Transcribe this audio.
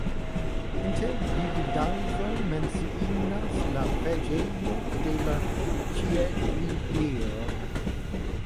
Inter vidindaĵoj menciindas la preĝejo de la Ĉieliro.